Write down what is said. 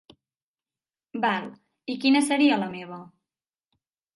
Val, i quina seria la meva?